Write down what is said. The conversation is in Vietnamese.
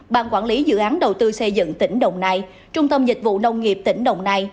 ban quản lý dự án đầu tư xây dựng tỉnh đồng nai trung tâm dịch vụ nông nghiệp tỉnh đồng nai